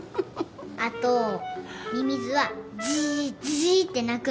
あとミミズは「ジージー」って鳴くの。